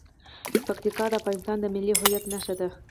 پکتیکا د افغانستان د ملي هویت نښه ده.